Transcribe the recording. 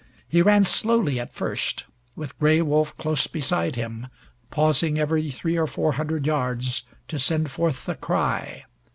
He ran slowly at first, with Gray Wolf close beside him, pausing every three or four hundred yards to send forth the cry.